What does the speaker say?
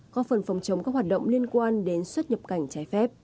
có phần phòng chống các hoạt động liên quan đến xuất nhập cảnh trái phép